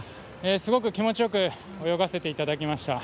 すごく気持ちよく泳がせていただきました。